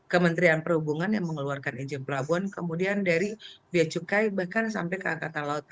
kementerian perhubungan yang mengeluarkan izin pelabuhan kemudian dari biaya cukai bahkan sampai ke angkatan laut